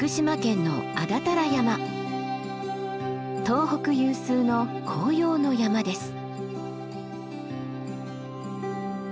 東北有数の紅葉の山です。